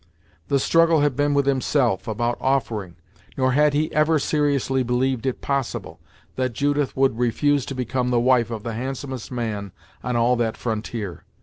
The struggle had been with himself, about offering, nor had he ever seriously believed it possible that Judith would refuse to become the wife of the handsomest man on all that frontier.